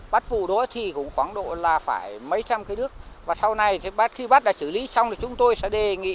các vụ đó thì cũng khoảng độ là phải mấy trăm cái nước và sau này khi bắt đã xử lý xong thì chúng tôi sẽ đề nghị